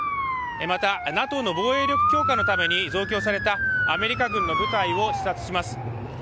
また、ＮＡＴＯの防衛力強化のために増強されたアメリカ軍の部隊を視察します。